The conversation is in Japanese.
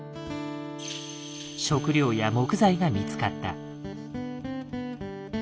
食料や木材が見つかった。